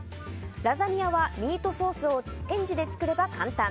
ラザニアはミートソースをレンジで作れば簡単！